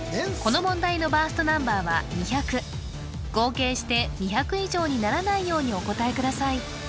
この問題のバーストナンバーは２００合計して２００以上にならないようにお答えください